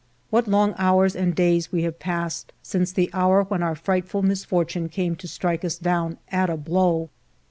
What long hours and days we have passed since the hour when our frightful misfortune came to strike us down at a blow